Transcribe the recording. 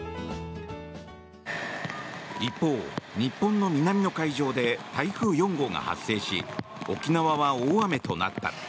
一方、日本の南の海上で台風４号が発生し沖縄は大雨となった。